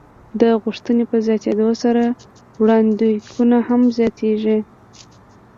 د غوښتنې په زیاتېدو سره وړاندېکونه هم زیاتېږي.